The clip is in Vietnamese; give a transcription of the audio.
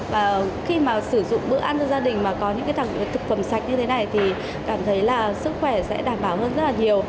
và khi mà sử dụng bữa ăn cho gia đình mà có những cái thực phẩm sạch như thế này thì cảm thấy là sức khỏe sẽ đảm bảo hơn rất là nhiều